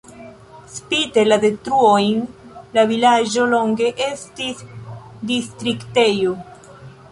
Spite la detruojn la vilaĝo longe estis distriktejo.